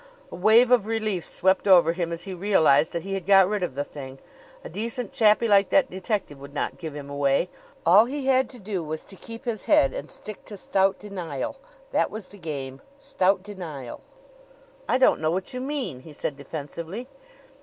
A wave of relief swept over him as he realized that he had got rid of the thing. A decent chappie like that detective would not give him away. All he had to do was to keep his head and stick to stout denial. That was the game stout denial. "I don't know what you mean," he said defensively.